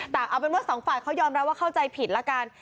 แต่เอาเป็นว่าสองฝ่ายเขายอมรับว่าเข้าใจผิดละกัน